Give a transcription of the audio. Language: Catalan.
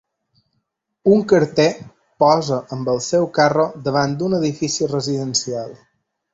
Un carter posa amb el seu carro davant d'un edifici residencial.